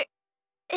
え。